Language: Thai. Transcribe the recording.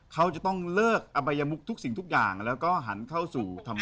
เขาจะต้องเลิกอบัยมุกทุกสิ่งทุกอย่างแล้วก็หันเข้าสู่ธรรมะ